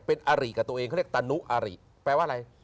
เป็นอาริกับตัวเองเขาเรียกตานุอาริแปลว่าอะไร